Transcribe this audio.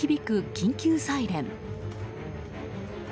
緊急サイレン。